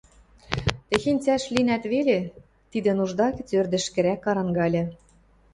Тӹхень цӓш линӓт веле, тидӹ нужда гӹц ӧрдӹжкӹрӓк карангальы.